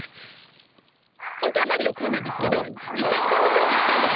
本当はマリオこうなんですけど実際こんなふうにしたんです。